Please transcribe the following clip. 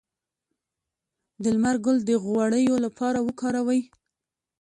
د لمر ګل د غوړیو لپاره وکاروئ